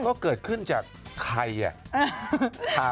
ก็เกิดขึ้นจากใครอ่ะ